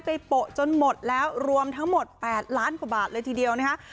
โปะจนหมดแล้วรวมทั้งหมด๘ล้านกว่าบาทเลยทีเดียวนะคะ